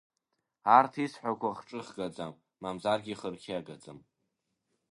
Арҭ исҳәақәо хҿыхгаӡам, мамзаргьы хырқьиагаӡам.